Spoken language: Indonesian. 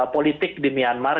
politik di myanmar